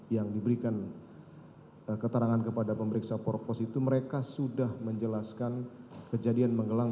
yang diberikan keterangan kepada pemeriksa propos itu mereka sudah menjelaskan kejadian menggelang